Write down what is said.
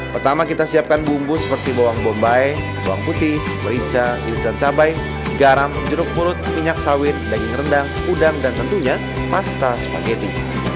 pertama kita siapkan bumbu seperti bawang bombay bawang putih merica irisan cabai garam jeruk mulut minyak sawit daging rendang udang dan tentunya pasta spaghetti